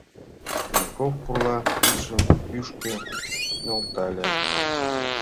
Пеньков пурла кидшым кӱшкӧ нӧлтале: